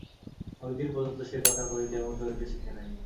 অনেকদিন পর্যন্ত সে কথা কহিতে এবং চলিতে শেখে নাই।